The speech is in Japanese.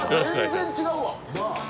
全然違うわ！